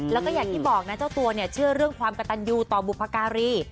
แล้วก็อย่างที่บอกนะเจ้าตัวเนี่ยเชื่อเรื่องความกระตันยูต่อบุพการี